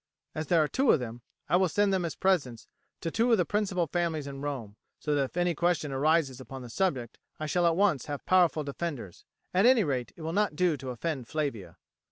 As there are two of them I will send them as presents to two of the principal families in Rome, so that if any question arises upon the subject I shall at once have powerful defenders; at any rate, it will not do to offend Flavia."